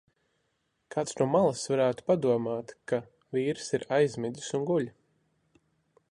Kāds no malas varētu padomāt, ka vīrs ir aizmidzis un guļ.